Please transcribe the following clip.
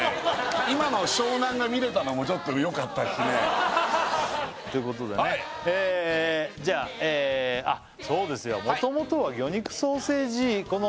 今の湘南が見れたのもちょっとよかったしねということでねじゃああっそうですよ